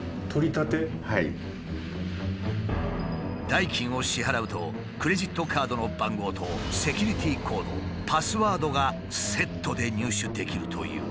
代金を支払うとクレジットカードの番号とセキュリティコードパスワードがセットで入手できるという。